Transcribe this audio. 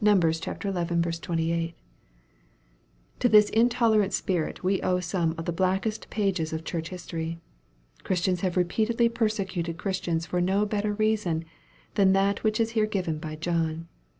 xi. 28.) To this intolerant spirit we owe some of the blackest pages of Church history. Christians have repeatedly persecuted Christians for no better reason than that which is here given by John.